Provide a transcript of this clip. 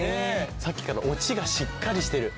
さっきからオチがしっかりしてる。